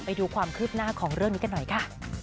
ไปดูความคืบหน้าของเรื่องนี้กันหน่อยค่ะ